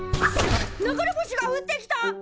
流れ星が降ってきた！